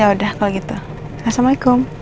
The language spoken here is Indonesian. ya udah kalau gitu assalamualaikum